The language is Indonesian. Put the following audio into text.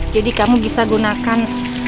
jadi kamu bisa gunakan